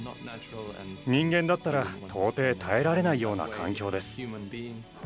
人間だったら到底耐えられないような環境です。